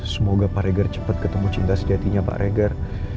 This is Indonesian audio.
semoga pak regar cepet ketemu cinta sejatinya pak regar